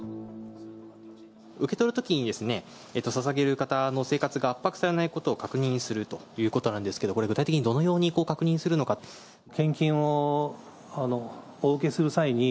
受け取るときにささげる方の生活が圧迫されないことを確認するということなんですけど、これ、献金をお受けする際に、